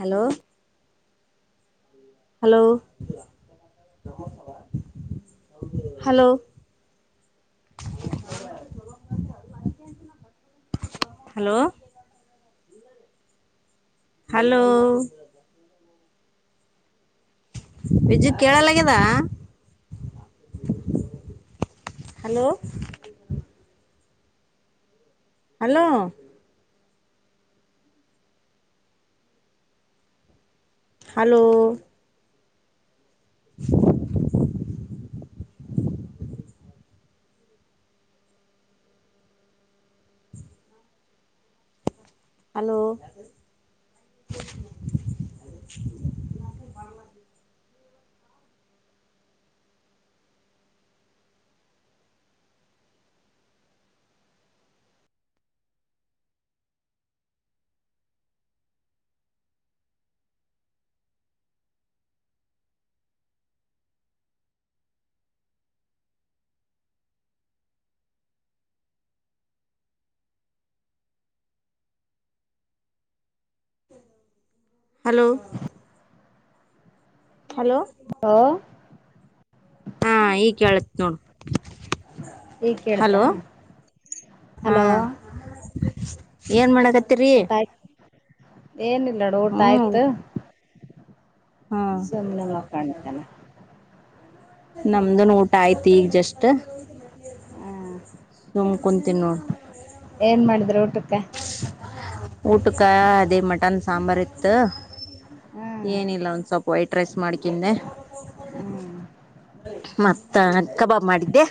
Hello hello hello hello hello ಪಜು ಕೆಳ ಲಾಗ್ಯದ ಹಲೋ ಹಲೋ ಹಲೋ ಹೂ ಹಲೋ ಹಲೋ ಹಲೋ ಹ ಹಾ ಈ ಕೇಳತ್ ನೋಡು ಈಗ ಕೇಳ್ತಾ ಹಲೋ ಹಾ ಹಲೋ ಏನ್ ಮಾಡಕತ್ತರಿ ಏನಿಲ್ಲಡು ಊಟ ಹ್ಮ್ ಆಯ್ತು ಹಾ ಸುಮ್ನೆಮ್ಮಖಾಣತನ ನಮ್ದನ್ ಊಟ ಆಯತಿ ಈಗ ಜಸ್ಟ್ ಹ ಸುಮ್ ಕುಂತೀನ್ ನೋಡ್ ಏನು ಮಾಡಿದ್ರೆ ಊಟಕ್ಕೆ ಊಟಕ್ಕೆ ಅದೇ ಮಟನ್ ಸಾಂಬಾರ ಇತ್ತು ಹ್ಮ್ ಏನಿಲ್ಲ ಒಂದ್ ಸ್ವಲ್ಪ ವೈಟ್ ರೈಸ್ ಮಾಡಕಿಂದೆ ಹ್ಮ್ ಮತ್ತ ಕಬಾಬ್ ಮಾಡಿದ್ದೆ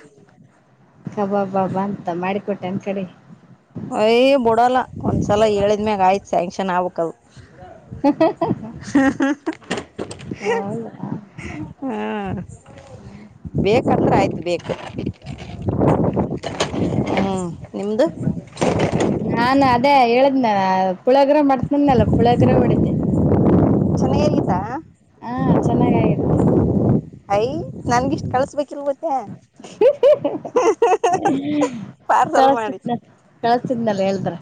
ಕಬಾಬ್ ಹಬ್ಬಾಬ್ ಅಂತ ಮಾಡಿಕೊಟ್ಟನ್ ಕಡೆಗೆ ಅಯ ಬಿಡಲ್ಲ ಒಂದ್ಸಲ ಹೇಳಿದ್ಮ್ಯಾಗ ಆಯ್ತು ಸ್ಯಾಂಕ್ಷನ್ ಆಗಬೇಕಾದು ಹೌದಾ ಹಾ ಹ್ಮ್ ಬೇಕಂದ್ರೆ ಆಯ್ತು ಬೇಕು ಹ್ಮ್ ಹ್ಮ್ ನಿಮ್ದು ನಾನ್ ಅದೇ ಹೇಳದ್ನ ಪುಳಗ್ರೆ ಮಾಡ್ತನನಲ್ಲ ಪುಳಗ್ರ ಬಿಡಿತ ಕೈತ ಹಾ ಚೆನ್ನಾಗಗೀತ್ ಅಯ ನನ್ಗಿಷ್ಟ್ ಕಳ್ಸ್ಬೇಕಿಲ್ ಮತ್ತೆ ಪಾರ್ಸಲ್ ಮಾಡಿ ಕಳಸ್ತಿದ್ದನ ಕಳಸ್ತಿದನಲ್ಲ ಹೇಳ್ತ್ರ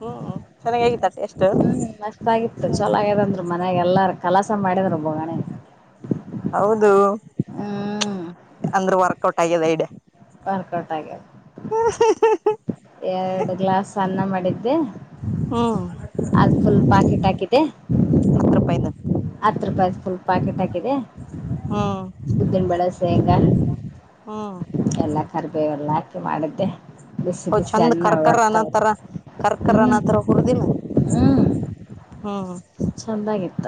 ಹ್ಮ್ ಚನ್ನಾಗ ಆಗಿ ಟೆಷ್ಟ್ ಹ್ಮ್ ನಷ್ಟ ಆಗಿತ್ತು ಚೊಲಾಗದಂದ್ರರು ಮನ್ಯಾಗ ಎಲ್ಲಾರ ಖಲಾಸ ಮಾಡಿದ್ರರು ಬೋಗಣೆ ಹೌದು ಹ್ಮ್ ಅಂದ್ರ ವರ್ಕ್ಔಟ್ ಆಗಿದೆ ಇಡ್ಯ ವರ್ಕಟ್ಟ ಆಗ ಹುಹುಹು ಎರಡು ಗ್ಲಾಸ್ ಅನ್ನ ಮಾಡಿದ್ದೆ ಹ್ಮ ಅದು ಫುಲ್ ಪಾಕೆಟ್ ಆಾಕಿದೆ ರೂಪಾಯಿಂದ ಹತ್ತು ರೂಪಾಯ ಫುಲ್ ಪಾಕೆಟ್ ಹಾಕಿದೆ ಹ್ಮ್ ಉದ್ದಿನಬೆಳೆ ಸೇಂಗಾ ಹ್ಮ್ ಎಲ್ಲಾ ಕರಿಬೇ ಎಲ್ಲ ಹಾಕಿ ಮಾಡಿದ್ದೆ ಬಿಸಿ ಹ ಬಿಸಿ ಚಂದ ಅನ್ನ ಕರ್ಕರ ಹೊಡ್ತಾವ್ರ ಅನ್ನರ ಕರ್ಕರ ಹ್ಮ್ ಅನತ್ರ ಹುರ್ದಿನ ಹ್ಮ್ ಚಂದಾಗಿತ್ತ.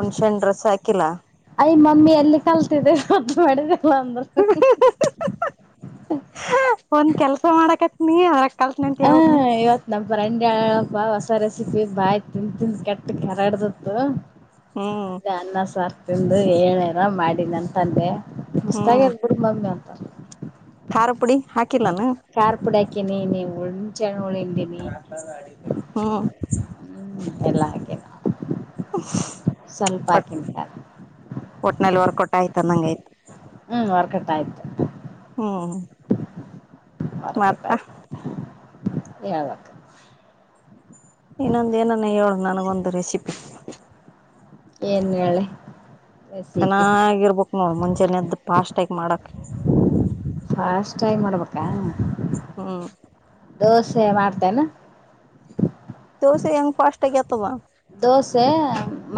ಉಣ್ಣೆಸೆ ಹಣ್ಣು ರಸ ಹಾಕಿಲ್ಲ. ಅಯ ಮಮ್ಮಿ ಎಲ್ಲಿ ಕಲ್ತಿದೆ ಮಾಡಿದೆಲ್ಲ ಅಂದ್ರ. [unintelligible] ಒಂದ್ ಕೆಲ್ಸ ಮಾಡಕತೀನಿ ಅವ್ ಹಾ ಇವತ್ತ ನಮ್ಮ ಫ್ರೆಂಡ್ ಹೇಳಪ್ಪಾ ಹೊಸ ರೆಸಿಪಿ ಬಾಯಿ ತಿಂದುತಿಂದು ಕೆಟ್ ಕೇರದ್ದೂವುತು. ಹ್ಮ ಅನ್ನ ಸಾರ್ ತಿಂದು ಏನರ ಮಾಡಿತಂದ್ರೆ ಹ್ಮ್ ಮಸ್ತಾಗದ ಬಿಡು ಮಮ್ಮಿ ಅಂತರ. ಖಾರ ಪುಡಿ ಹಾಕಿಲ್ಲಾನು. ಕಖಾರ್ ಪುಡಾಕಿನಿ ಉಂಸೇಉಳಿ ಅಕಿನಿ. [unintelligible] ಹು ಹ್ಮ್ ಎಲ್ಲ ಹಾಕಿನ [unintelligible] ಸ್ವಲ್ಪ ಅಕಿನಿ [unintelligible] ಒಟ್ಟನಲ್ಲಿ ಒರ್ಕುಟ್ ಆಯ್ತ ಅಂನ್ದ ಆಯ್ತ. ಹ್ಮ್ ವರ್ಕಟ್ಟ ಆಯ್ತು. ಹ್ಮ ಆದ್ರು ಕಟ್ ಆಯ್ತ್ [unintelligible] ಎನಗಲ್ಲ. ಇನ್ನೊಂದು ಏನಾನ ಹೇಳು ನನಗೊಂದು ರೆಸಿಪಿ. ಏನ್ ಹೇಳಿಲಿ ಚೆನ್ನಾಗಿರ್ಬೇಕು ನೋಡಿ ಮುಂಚೆನೆದ್ದು ಫಾಸ್ಟಾಗಿ ಮಾಡಕ್ಕೆ. ಫಾಸ್ಟ್ ಆಗಿ ಮಾಡ್ಬೇಕಾ ಹ್ಮ್ ದೋಸೆ ಮಾಡ್ತೇನಾ. ದೋಸ ಹೆಂಗ ಫಸ್ಟ್ ಆಗತವಾ. ದೋಸೆ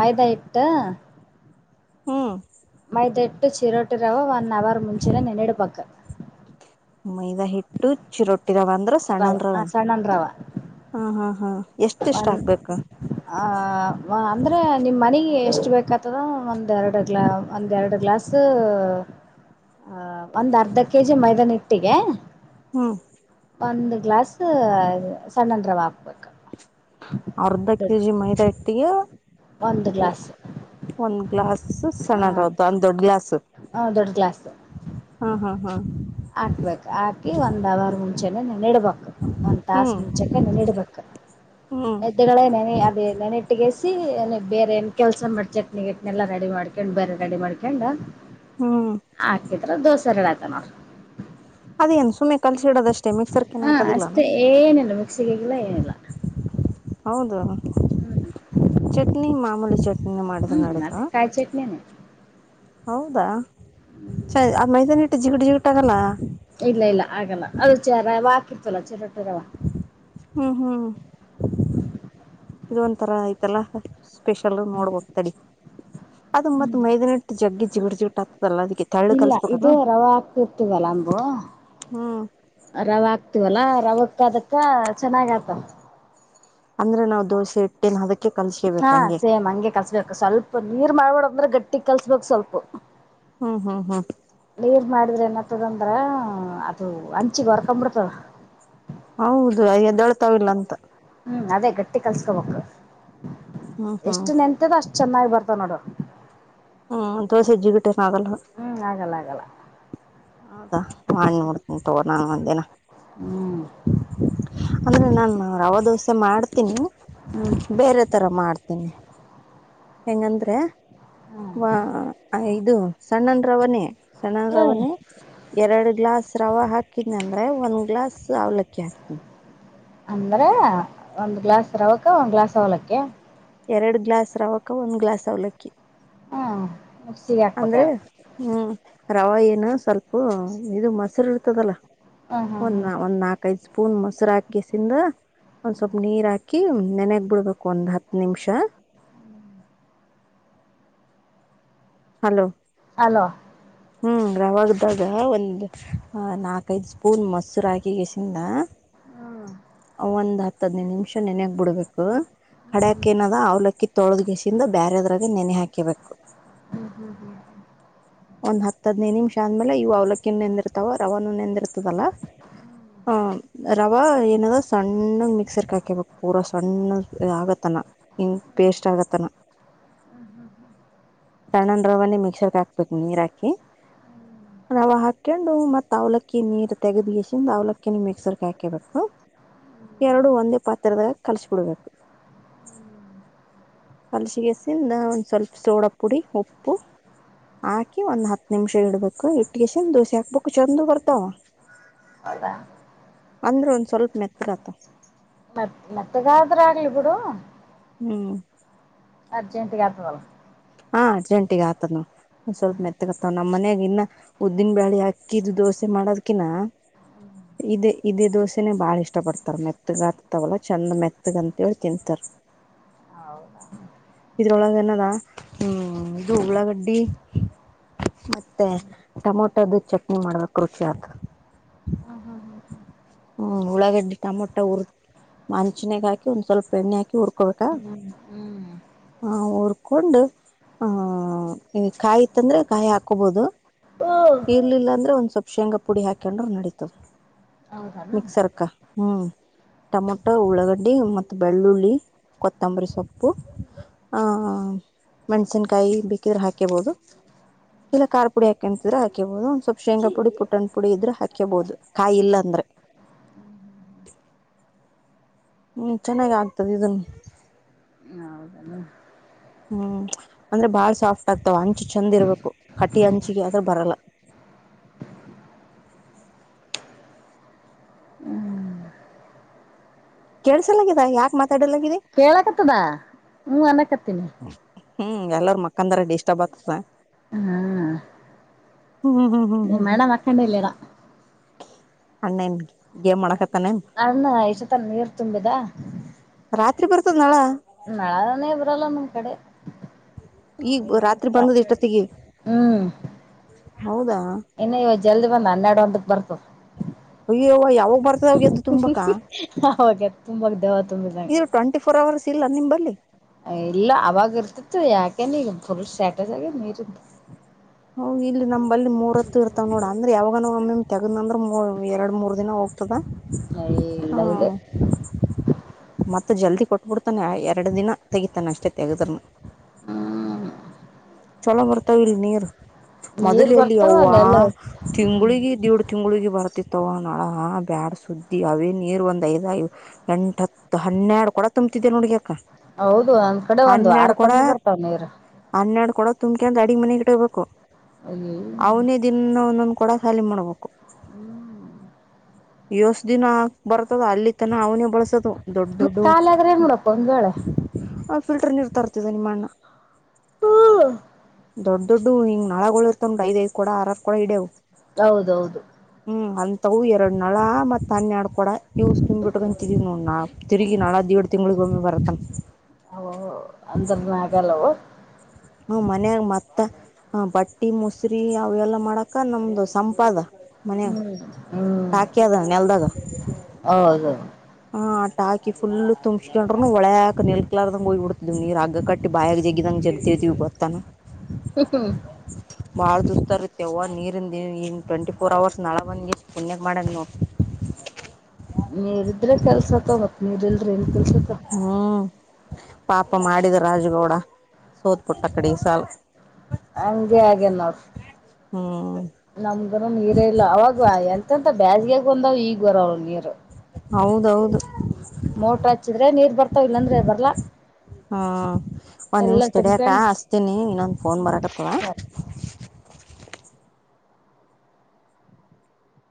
ಮೈದಾ ಇಟ್ಟು. ಹ್ಮ್ ಮೈದಾಹಿಟ್ಟು ಚಿರೋಟಿ ರವ ಒನ್ ಅವರ್ ಮುಂಚೆನೆ ನೆನೆಡಬೇಕು. ಮೈದಾ ಹಿಟ್ಟು ಚಿರೊಟ್ಟಿರವ ಅಂದ್ರ ಸಣ್ಣನ್ ರವ. ಸಣ್ಣನ್ ರವ ಹಾ ಹಾ ಹಾ ಎಷ್ಟ ಎಷ್ಟ ಆಗ್ಬೇಕು. ಹ ಅಂದರೆ ನಿಮ್ಮ ಮನೆಗೆ ಎಷ್ಟು ಬೇಕತದೋ ಒಂದೆರಡು ಗ್ಲಾಸ್ ಒಂದೆರಡು ಗ್ಲಾಸ್. ಸು [inaudible] ಹ ಒಂದ್ ಅರ್ಧ ಕೆಜಿ ಮೈದಾನ ಇಟ್ಟಿಗೆ. ಹ್ಮ ಒಂದು ಗ್ಲಾಸ್ ಸಣ್ನರವ ಅಕ್ಬೇಕು. ಅರ್ಧ ಕೆಜಿ ಮೈದಾ ಇಟ್ಟಿಗೆ ಒಂದು ಗ್ಲಾಸ್ ಒಂದ್ ಗ್ಲಾಸ್. ಹಾಂ ಸಣ್ಣದು ಅಂದ್ ದೊಡ್ ಗ್ಲಾಸ್ ದೊಡ್ಡ ಹಾ ಹಾ ಹಾ. ಹಾಕ್ಬೇಕ್ ಹಾಕಿ ಒಂದ್ ಅವರ್ ಮುಂಚೆನೆೇನೆ ನೆನಾಕ್ಬೇಕು ಒಂದ್ ತಾಸ್ ಹ್ಮ್ ಮುಂಚೆನೇ ನೆನಾಕ್ಬೇಕು ಹ್ಮ್ [unintelligible] ಅದ ನೆನೆಟ್ಟಿಗಸಿ ಬೇರೆ ಏನ್ ಕೆಲಸ ಮಾಡಿ ಚಟ್ನಿನೆೆಲ್ಲ ರೆಡಿ ಮಾಡ ಹಾಕೊಂಡ್ ಬೇರೆ ರೆಡಿ ಮಾಡ್ಕೊಂಡ್ ಹ್ಮ್ ಹಾಕಿದ್ರ ದೋಸೆ ರೆಡಿ ಆಯ್ತು ನೋಡು ಅದೇನ್ ಸುಮ್ಮನೆ ಕಲ್ಸಿ ಇಡೋದಷ್ಟೇ ಮಿಕ್ಸಿಗೇನು ಹಾ ಹಾಕಂಗಿಲ್ಲ ಅಷ್ಟೇ ಏನಿಲ್ಲ ಮಿಕ್ಸಿಗೆ ಹಾಕಿಲ್ಲ ಏನಿಲ್ಲ ಹೌದು. [inaudible] ಚಟ್ನಿ ಮಾಮೂಲಿ ಚಟ್ನಿ ಮಾಡಿದ್ರ ನಡಿತದೆ ಕೈ ಚಟ್ನಿನಾ ಹೌದಾ ಹ್ಮ್ ಆ ಮೈದಾ ಇಟ್ಟು ಜಿಗುಡ್ ಜಿಗುಡ್ ಆಗಲ್ವಾ ಇಲ್ಲ ಇಲ್ಲ ಆಗಲ್ಲ ಅದು ರವೆ ಹಾಕಿರ್ತೀವಲ್ಲ ಚಿರೋಟಿ ರವೆ ಹೂ ಹೂ ಇದೊಂ ತರ ಆಯ್ತಲ್ಲ. ಸ್ಪೆಷಲ್ ನೋಡ್ಬೇಕು ಹ್ಮ್ ತಡಿ. ಅದು ಮತ್ ಮೈದ ಇಟ್ಟು ಜಿುಗುಡ್ ಜಿಗುಡು ಆತದಲ್ಲ ಅದಕ್ಕೆ ತೆಳ್ಳಾಗ್ ಇಲ್ಲ ಕಲ್ಸ್ಬೇಕ್ ಇದು ರವೆ ಹಾಕಿರ್ತೀವಲ್ಲ ಲಂಬೂ ಹ್ಮ್ ರವೆ ಹಾಕ್ತೀವಲ್ಲ ಅದಕ್ಕೂ ಅದಕ್ಕೂ ಚೆನ್ನಾಗ್ ಆಗುತ್ತೆ ಅಂದ್ರೆ ನಾವು ದೋಸೆ ಇಟ್ ಏನ್ ಅದಕ್ಕೆ ಕಳ್ಸಿದ್ದೆ ಹಾ ಸೇಮ್ ಹಂಗೆ ಕಲ್ಸ್ಬೇಕು ಸ್ವಲ್ಪ ನೀರ್ ಮಾಡ್ಬೇಡ ಅಂದ್ರೆ ಗಟ್ಟಿಗ್ ಕಲ್ಸ್ಬೇಕ್ ಸ್ವಲ್ಪ ಹೂ ಹೂ ಹೂ ನೀರ್ ಮಾಡಿದ್ರೆ ಏನಾಗುತ್ತೆ ಅಂದ್ರೆ ಅದು ಇಂಚಿಗೆ ಹೊಡ್ಕೊಂಬಿಡುತ್ತದೆ ಹೌದು ಎದೆಳ್ತವೋ ಇಲ್ಲ ಅಂತ ಅದೇ ಗಟ್ಟಿಗೆ ಕಳಿಸಬೇಕು ಹ್ಮ್ ಹ್ಮ್ ಇಷ್ಟು ನೆನೆದಿದೆ ಅಷ್ಟು ಚೆನ್ನಾಗಿ ಬರುತ್ತೆ ಹೂ ದೋಸೆ ಜಿಗುಟೇನ್ ಆಗಲ್ಲ ಹೂ ಆಗಲ್ಲ ಆಗಲ್ಲ ಹೌದಾ ಮಾಡಿ ನೋಡ್ತೀನಿ ತಗೋ ನಾನು ಒಂದಿನ ಹ್ಮ್ ಅಂದ್ರೆ ನಾನು ರವ ದೋಸೆ ಮಾಡ್ತೀನಿ ಹ್ಮ್ ಬೇರೆ ತರ ಮಾಡ್ತೀನಿ ಧನ್ಯ ಅಂಗಂದ್ರೆ ಅ ಇದು ಸಣ್ಣ ರವೆನೇ ಹ್ಮ್ ಎರಡು ಗ್ಲಾಸ್ ರವೆ ಹಾಕ್ತೀನಿ ಅಂದ್ರೆ ಒಂದ್ ಗ್ಲಾಸ್ ಅವಲಕ್ಕಿ ಹಾಕ್ತಿನಿ ಅಂದ್ರೆ ಒಂದು ಗ್ಲಾಸ್ ರವೆಗೆ ಒಂದ್ ಗ್ಲಾಸ್ ಅವಲಕ್ಕಿ ಎರಡು ಗ್ಲಾಸ್ ರೆವೆಗೆ ಒಂದ್ ಗ್ಲಾಸ್ ಅವಲಕ್ಕಿ ಹೂ ಅಂದ್ರೆ ರವೆ ಏನು ಸ್ವಲ್ಪ ಮೊಸರು ಇರುತ್ತಲ್ಲ ಹ್ಮ್ ಹ್ಮ್ ಹ್ಮ್ ಒಂದ್ ನಾಕೈದ್ ಸ್ಪೂನ್ ಮೊಸರು ಹಾಕಿಸಿಕೊಂಡು ಒಂದ್ ಸ್ವಲ್ಪ್ ನೀರ್ ಹಾಕಿ ನೆನಕಿ ಬಿಡ್ಬೇಕು ಒಂದ್ ಹತ್ ನಿಂಷಾ ಹಲೋ ಅಲೋ [inaudible] ರವೆ ಒಳಗೆ ಒಂದು ನಾಲ್ಕೈದು ಸ್ಪೂನ್ ಮೊಸರು ಹಾಕಬೇಕು ಹೂ ಒಂದ್ ಹತ್ ಹದಿನೈದು ನಿಮಿಷ ನೆನಾಕಿ ಬಿಡಬೇಕು ಕಡೆಯಕ್ಕೇನದ ಅವ್ಲಕ್ಕಿ ತೊಳದ್ಗೆಸಿಂದ ಬೇರೆದ್ರಾಗೆ ನೆನೆ ಹಾಕೆಬೇಕು ಹ್ಮ್ ಹ್ಮ್ ಹ್ಮ್ ಒಂದ್ ಹತ್ ಹದನೈ ನಿಮಿಷ ಅಂದ್ಮೇಲೆ ಇವು ಅವ್ಲಕ್ಕಿ ನೆಂದಿರ್ತಾವ ರವಾನು ನೆಂದಿರ್ತದಲ್ಲಾ ಹಾಂ ರವ ಏನದ ಸಣ್ಣಗ್ ಮಿಕ್ಸರ್ಕ್ ಹಾಕಬೇಕ್ ಪೂರ ಸಣ್ಣ ಆಗತ್ತನ ಹ್ಮ ಪೇಸ್ಟ್ ಆಗತ್ತನ ಸಣ್ಣನ್ ರವನೆ ಮಿಕ್ಸರ್ಗೆ ಹಾ ಪತ್ನೀರಾಕಿ ರವ ಹಾಕೊಂಡು ಮತ್ ಅವ್ಲಕ್ಕಿ ನೀರ್ ತೆಗದ್ ಗೀಸಿಂದ ಅವ್ಲಕ್ಕಿನ್ ಮಿಕ್ಸರ್ಗೆ ಹಾಕೇಬೇಕು ಎರಡು ಒಂದೇ ಪಾತ್ರದಾಗ ಕಲ್ಶ್ ಬಿಡ್ಬೇಕು ಅಲಸಿಗೆಸಿಂದ ಒಂದ್ ಸ್ವಲ್ಪ ಸೋಡ ಪುಡಿ ಉಪ್ಪು ಹಾಕಿ ಒಂದ್ ಹತ್ ನಿಮ್ಷ ಇಡ್ಬೇಕು ಇಟ್ಟಿಗೆಸನ್ ದೋಸೆ ಹಾಕ್ಬೇಕು ಚೆಂದ್ ಬರ್ತಾವ ಹೌದಾ ಅಂದ್ರೆ ಒಂದ್ ಸ್ವಲ್ಪ್ ಮೆತ್ತ್ ಗಾತ ಮತ್ತ್ ಮೆತ್ತಗಾದ್ರೆ ಆಗ್ಲಿ ಬಿಡು ಹ್ಮ್ ಅರ್ಜೆಂಟಿಗೆ ಆತದಲ್ಲ ಹಾಂ ಅರ್ಜೆಂಟಿಗೆ ಆತದ್ ನೋಡು ಸ್ವಲ್ಪ ಹ್ಮ್ ಮೆತ್ತಗತವ ನಮ್ಮ್ ಮನಯಾಗ ಇನ್ನ ಉದ್ದಿನ ಬ್ಯಾಳೆ ಅಕ್ಕಿದು ದೋಸೆ ಮಾಡೋದ್ಕಿನ ಇದೇ ಇದೇ ದೋಸೆನೆ ಬಾಳ ಇಷ್ಟ ಪಡ್ತಾರ ಮೆತ್ತಗಾತವಲ್ಲ ಚಂದ ಮೆತ್ತಗ ಅಂತೇಳಿ ತಿಂತರ್ ಹೌದಾ ಇದ್ರೊಳಗೆ ಏನದ ಹ್ಮ್ ಇದು ಉಳ್ಳಗಡ್ಡಿ ಮತ್ತೆ ಹ್ಮ್ ಟೊಮೊಟೋದು ಚಟ್ನಿ ಮಾಡ್ಬೇಕು ರುಚಿ ಆತು ಹ್ಮ್ ಹ್ಮ್ ಹ್ಮ್ ಉಳ್ಳಾಗಡ್ಡೆ ಟಮೊಟ ಉರ್ ಮಂಚನ್ಗ್ ಹಾಕಿ ಒಂದ್ ಸ್ವಲ್ಪ ಎಣ್ಣೆ ಹಾಕಿ ಹುರ್ಕೊಬೇಕ ಹ್ಮ್ ಹ್ಮ್ ಹ್ಮ್ ಹ ಹುರ್ ಹಾಕೊಂಡ್ ಆಹ ಈ ಕಾಯಿ ಇತ್ತಂದ್ರೆ ಕಾಯಿ ಹಾಕೋಬಹುದು ಇರ್ಲಿಲ್ಲ ಅಂದ್ರೆ ಒಂದ್ ಸ್ವಲ್ಪ್ ಶೇಂಗಾ ಪುಡಿ ಹಾಕೊಂಡರು ನಡತದ ಹೌದಾನ ಮಿಕ್ಸರ್ಕ ಹ್ಮ್ ಟೊಮೊಟೊ ಉಳ್ಳಾಗಡ್ಡೆ ಮತ್ತುತ್ತ ಬೆಳ್ಳುಳ್ಳಿ ಕೊತ್ತಂಬರಿ ಸೊಪ್ಪು ಆ ಮೆಣ್ಸಿನ್ಕಾಯಿ ಬೇಕಿದ್ರೆ ಹಾಕೇಬಹುದು ಇಲ್ಲಖಾರ್ ಪುಡಿ ಹಾಕಂತಿದ್ರೆ ಹಾಕಬಹುದು ಒ್ ಸ್ವಲ್ ಶೇಾುಡಿ ಪುಟ್ಟ್ ಪುಡಿ ಇದ್ರೆ ಹಾಕಬಹುದು ಕಾಯಿ ಇ ಅಂದ್ರೆ ಹ್ಮ್ ಚೆನ್ನಾಗ ಆಗ್ತದೆ ಇದನ್ ಹೌದಲ್ಲ ಹ್ಮ್ ಅಂದ್ರೆ ಬಾಳ್ ಸಾಫ್ಟ್ ಆಗ್ತವ ಅಂಚೆ ಚೆಂದ ಇರ್ಬೇಕು ಕಟಿ ಅಂಚಿಗೆ ಆದ್ರೂ ಬರಲ್ಲ ಹ್ಮ್ ಕೇಳಸಲಾಗಿದ ಯಾಕಕ್ ಮಾತಾಡಲಾಗಿದೆ ಕೇಳಕತ್ತದ ಹ ಅನ್ನ ಕತ್ತೀಿನಿ ಹ್ಮ್ ಎಲ್ಲಾರ ಮಕ್ಕಂದಾರ ಡಿಸ್ಟಬ್ ಆಗ್ತದ ಹಾ ಹ್ಮ್ ಹ್ಮ್ ಹ್ಮ್ ನೀ ಹ್ಮ್ ಹ್ಮ್ ಮೇಡಮ್ ಹಾಕೊಂಡಿಲ್ಲೇನೋ ಅಣ್ಣನ್ ಗೇಮ್ ಮಾಡಕತ್ತಾನೆ ಅಣ್ಣ ಇಷ್ಟ ತನ ನೀರ್ ತುಂಬಿದ ರಾತ್ರಿ ಬರ್ತದ್ ನಾಳ ಮಳಾನೆ ಇ ಬ್ರಲ್ಲ ನಿಮ್ ಕಡೆ ಈಗ ರಾತ್ರಿ ಹ ಬಂದದ ಇಷ್ಟೊತ್ತಿಗೆ ಹ್ಮ್ ಹೌದಾ ಇನ್ನು ಇವತ್ತು ಜಲ್ದಿ ಬಂದ ಹನ್ನೆರಡು ಒಂದಕ್ ಬರ್ತು ಅಯ್ಯ ಯಾವಾಗ ಬರ್ ಅವಾಗ ತುಂಬಾಗ ದವ ತುಂಬಿದಂ ಇದು ಟ್ವೆಂಟಿ ಫೋರ್ ಅವರ್ಸ್ ಇಲ್ಲ ನಿಂಬಲ್ಲಿ ಇಲ್ಲ ಅವಾಗ ಇರ್ತಿತ್ತು ಯಾಕನೆ ಈಗ ಫುಲ್ ಸ್ಯಾಟಸ್ ಆಗ ನೀರ್ ಹ ಇಲ್ಲಿ ನಂಬಲ್ಲಿ ಮೂರ ಹತ್ತು ಇರ್ತವ್ ನೋಡ ಅಂದ್ರೆ ಯಾವಾಗ ತೆಗದ್ ಅಂದ್ರ ಎರಡ್ ಮೂರ್ ದಿನ ಹೋಗ್ತದ ಇಲ್ಲ ಹಾ ಇಲ್ಲ ಮತ್ತ ಜಲ್ದಿ ಕೊಟ್ಬಿಡ್ತಾನೆ ಎರಡು ದಿನ ತೆಗಿತಾನೆ ಅಷ್ಟೆೇ ತೆಗದ್ರನು ಹ್ಮ್ ಚಲೋ ಬರ್ತಾವ ಇಲ್ ನೀರ್ ನೀರ್ ಮೊದಲೆಯಲ್ಲಿ ಬರ್ತಾವ ಅಲ್ಲ ಅವ್ವಾ ಎಲ್ಲ ಹ್ಮ್ ತಿಂಳಿಗೆ ದೇಡು ತಿಂಗಳಿಗೆ ಬರ್ತಿತ್ತವ ನಾಳ ಬ್ಯಾಡ್ ಸುದ್ದಿ ಅವೇ ನೀರು ಒಂದ್ ಐದ ಎಂಟತ್ತು ಹನ್ನೆರಡು ಕೊಡ ತುಂಬ್ತಿದ್ದೆ ನೋಡ್ಗ ಅಕ್ಕ ಹೌದು ಒಂದ್ ಕಡೆ ಒಂದು್ ವಾರ ಕಮ್ಮಿ ಬರ್ತಾವ ನೀರು ಹನ್ನಾಡ್ ಕೊಡೋ ತುಂಬಕ ಅಂದ್ ಅಡಡಿಗ್ ಮನೆಗ್ ಗಿ ಹೋಗಬೇಕು ಅ ಅವನೇ ದಿನನೊನ್ನು ಕೂಡ ಸಾಲಿ ಮಾಡಬೇಕು ಹ್ಮ್ ಯಷ್ಟ ದಿನ ಬರ್ತದ ಅಲ್ಲಿ ತನ ಅವನೇ ಬಳಸದು ದೊಡ್ಡ ದೊಡ್ಡ ಕಾಲ ಆದ್ರೆ ಏನ್ ಮಾಡಪ್ಪ ಒಂದ್ ವೇಳೆ ಆ ಫಿಲ್ಟರ್ ನೀರ್ ತರ್ತಿದೆ ನಿಮ್ಮ ಅಣ್ಣ ಹ್ಮ ದೊಡ್ಡ ದೊಡ್ಡ ಹಂಗ ನಳಗಳು ಇರ್ವಂ ಐದಐದು ಕೂಡ ಆರ್ ಕಡವು ಹೌದೌದು ಹ್ಮ್ ಅಂತವು ಎರಡ್ ನಳ ಮತ್ ಅನ್ಯ ಆಡ್ಕೊಡ ಇವ ನಿಂಬ್ಬಿಟ್ಟಗಂತಿದೀವಿ ನೋಡಣ ತಿರುಗಿ ನಾನಳಾ ದವಡ್ ತಿಂಳಕೊಮ್ಮಿ ಬರತೆ ಹ ಅಂದ್ರ ಮಗಲ್ಲವ ಹ್ಮ ಮನ್ಯಾಗ ಮತ್ತ ಹ ಬಟ್ಟಿ ಮೊಸರಿ ಅವೆಲ್ಲಾ ಮಾಡಕ ನಮ್ದು ಸಂಪಾದ ಮನ ಹ್ಮ್ ಸಾಾಕಿ ಅದ ನೆಲ್ದಾಗ ಹೌದದುೌ ಹಾ ಟ ಹಾಕಿ ಫುಲ್ ತುಂಬ್ಸ್ಕೊಂಡ್ರುನು ಒಳಕ್ ನೆಲ್ ಕಲರ್ದಗೆ ಹಯ್ ಬಿಡ್ಿದೀ್ ನೀರ್ ಹಗ ಕಟ್ಟಿ ಬಿ ಬಾಯಾಗ ಜಗಿದ್ದಿದಂಗ ಜಗದತಿೀವಿ ಬತ್ತತಾನ ಹಾ ಹ ಬಾಳ ದುಸ್ತ ಇರುತ್ತೆ ನೀರಿಂದ ಟ್ವೆಂಟಿ ಫೋರ್ ಅವರ್ಸ್ ನಳ ಬಂದ ಪುಣ್ಯ ಮಾಡ್ ನವು ನೀರಿದ್ರೆ ಕೆಲ್ಸತ್ತ ಮತ್ ನೀರ್ಲ್ರಿ ಏನ್ ಕೆಲ್ಸತ್ತ ಹ್ಮ್ ಪಾಪ ಮಾಡಿದ ರಾಜಗೌಡ ಸೋತ್ ಪುಟ್ಟ ಕಡೆ ಸಲ್ ಅಂಗಗೆ ಆಗೆ ನ ಹ್ಮ್ ನಮ್ಗರ ನೀರೇ ಇಲ್ಲ ಅವಾಗ ಎಂತಂತ ಬೇಸ್ಗೆಾಗ ಬಂದವ ಈಗ್ ಬರವಳ ನೀರು ಹೌದೌದು ಮೋಟ್ರ ಹಚ್ಚಿದ್ರೆ ನೀರ್ ಬರ್ತಾವ ಇಲ್ಲಾಂದ್ರೆ ಬರ್ಲಾ ಹ್ಮ್ ಒಂದ್ ನಿಮಿಷ್ ಎಲ್ಲ ತಿಡಿಯಕ ತುಂಬ್ಕೊಂಡ್ ಹಸ್ತೀನಿ ಇನ್ನೊಂದು ಫೋನ್ ಬರಕತ್ತದ